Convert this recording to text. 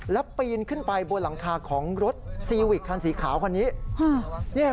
แล้วปีนขึ้นไปบนหลังคาของรถซีวิกคันสีขาวคันนี้